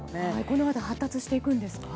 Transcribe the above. このあと発達していくんですか？